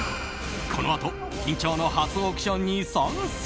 このあと緊張の初オークションに参戦。